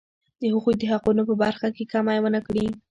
د هغوی د حقونو په برخه کې کمی ونه کړي.